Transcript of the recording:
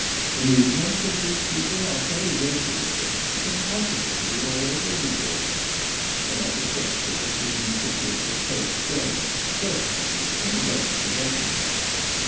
The movements of these people are so irregular that it is impossible to be always ready for them. They are suspected of being recipients of poached game, purchasing it from the local professionals.